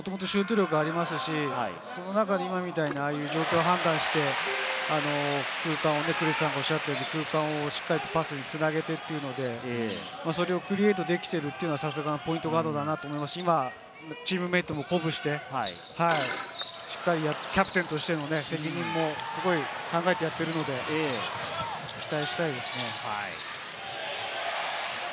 彼はもともとシュート力がありますし、その中で今みたいな状況判断をして、クリスさんが言ったように、空間をしっかりとパスに繋げてっているので、それをクリエイトできているのはさすがポイントガードだなと思いますし、チームメートも鼓舞して、しっかりキャプテンとしての責任も考えてやっているので、期待したいですね。